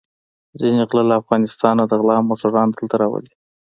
ځينې غله له افغانستانه د غلا موټران دلته راولي.